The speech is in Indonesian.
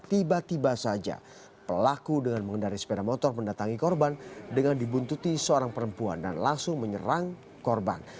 tiba tiba saja pelaku dengan mengendari sepeda motor mendatangi korban dengan dibuntuti seorang perempuan dan langsung menyerang korban